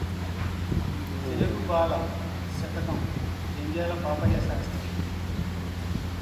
తెలుగుబాల! శతకంజంధ్యాల పాపయ్య శాస్త్రి